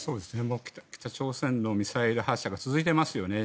北朝鮮のミサイル発射が続いていますよね。